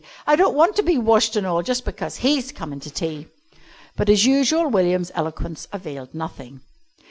I don't want to be washed an' all just because he's comin' to tea." But as usual William's eloquence availed nothing.